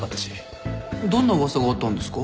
どんな噂があったんですか？